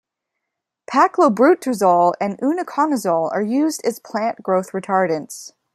Paclobutrazol and uniconazole are used as plant growth retardants.